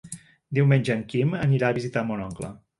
Diumenge en Quim anirà a visitar mon oncle.